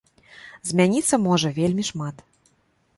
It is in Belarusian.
Змяніцца можа вельмі шмат.